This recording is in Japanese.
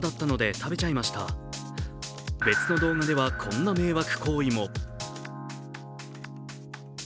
別の動画ではこんな迷惑行為も。